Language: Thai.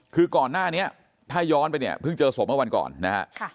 คือก่อนหน้านี้ถ้าย้อนไปเนี่ยเพิ่งเจอศพเมื่อวันก่อนนะฮะ